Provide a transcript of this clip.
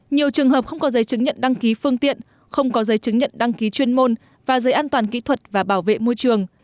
nhiều trường hợp không có giấy chứng nhận đăng ký phương tiện không có giấy chứng nhận đăng ký chuyên môn và giấy an toàn kỹ thuật và bảo vệ môi trường